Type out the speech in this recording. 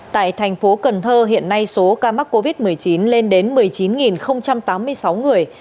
tại thành phố cần thơ hiện nay số ca mắc covid một mươi chín lên đến một mươi chín tám mươi sáu người